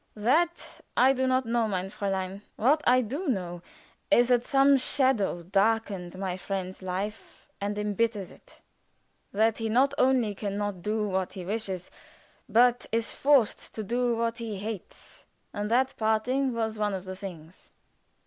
"That I do not know, mein Fräulein. What I do know is that some shadow darkens my friend's life and imbitters it that he not only can not do what he wishes, but is forced to do what he hates and that parting was one of the things."